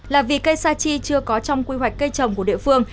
là vì cây sa chi chưa có trong quy hoạch cây trồng của địa phương